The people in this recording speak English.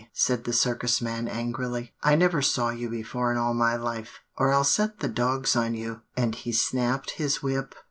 said the Circus man angrily. 'I never saw you before in all my life; or I'll set the dogs on you,' and he snapped his whip.